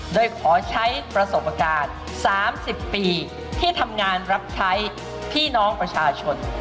โดยขอใช้ประสบการณ์๓๐ปีที่ทำงานรับใช้พี่น้องประชาชน